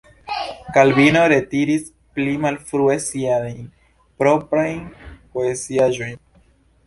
Kalvino retiris pli malfrue siajn proprajn poeziaĵojn.